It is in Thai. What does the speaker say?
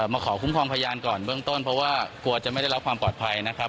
มาขอคุ้มครองพยานก่อนเบื้องต้นเพราะว่ากลัวจะไม่ได้รับความปลอดภัยนะครับ